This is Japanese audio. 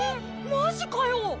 マジかよ！？